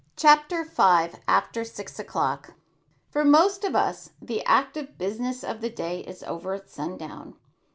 CHAPTER V AFTER SIX O'CLOCK FOR most of us the active business of the day is over at sundown.